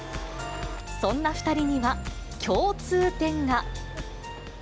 そんな２人には共通点が。